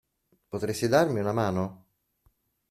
Potresti darmi una mano?